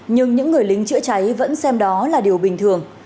nhưng những người lính chữa cháy vẫn xem đó là điều bình thường